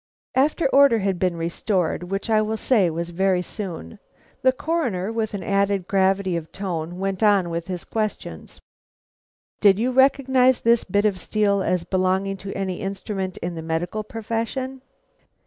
After order had been restored, which I will say was very soon, the Coroner, with an added gravity of tone, went on with his questions: "Did you recognize this bit of steel as belonging to any instrument in the medical profession?"